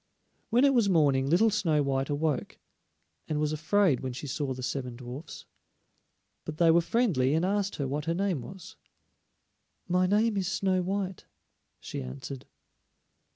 When it was morning little Snow white awoke, and was afraid when she saw the seven dwarfs. But they were friendly and asked her what her name was. "My name is Snow white," she answered.